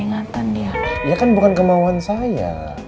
ya kan bukan kemauan saya kaki ya kan bukan kemauan saya lah